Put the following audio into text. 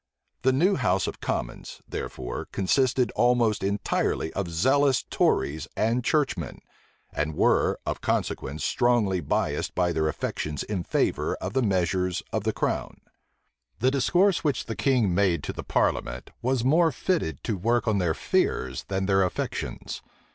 The new house of commons, therefore, consisted almost entirely of zealous tories and churchmen; and were, of consequence, strongly biased by their affections in favor of the measures of the crown. The discourse which the king made to the parliament was more fitted to work on their fears than their affections.